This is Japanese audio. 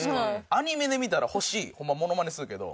アニメで見たら星ホンマモノマネするけど。